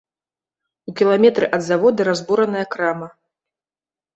У кіламетры ад завода разбураная крама.